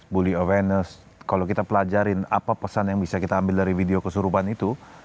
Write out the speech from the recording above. bully avenus kalau kita pelajarin apa pesan yang bisa kita ambil dari video kesurupan itu